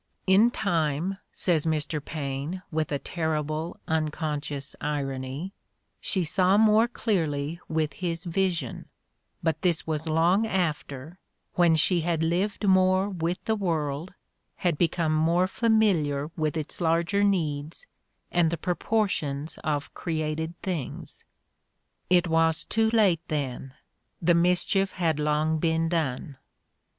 "In time," says Mr. Paine, with a terrible unconscious irony, "she saw more clearly with his vision, but this was long after, when she had lived more with the world, had become more familiar with its larger needs, and the proportions of created things." It' was too late then; the mischief had long been done.